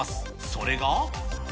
それが。